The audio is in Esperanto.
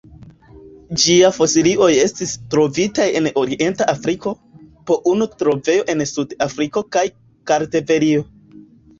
Ĝia fosilioj estis trovitaj en orienta Afriko, po unu trovejo en Sud-Afriko kaj Kartvelio.